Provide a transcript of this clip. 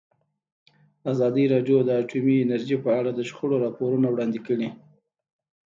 ازادي راډیو د اټومي انرژي په اړه د شخړو راپورونه وړاندې کړي.